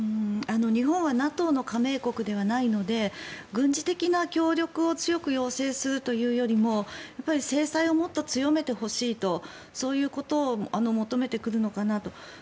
日本はＮＡＴＯの加盟国ではないので軍事的な協力を強く要請するというよりもやっぱり制裁をもっと強めてほしいとそういうことを求めてくるのかなと。